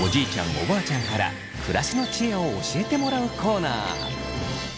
おばあちゃんから暮らしの知恵を教えてもらうコーナー。